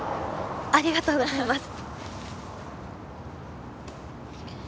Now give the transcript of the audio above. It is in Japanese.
ありがとうございます。